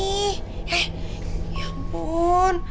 eh ya ampun